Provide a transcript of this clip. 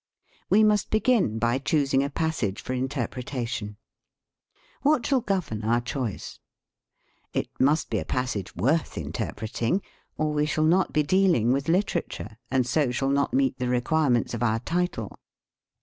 We must begin by choosing a passage for interpretation. What shall govern our choice? It must be a passage worth inter preting, or we shall not be dealing with lit erature, and so shall not meet the require ments of our title.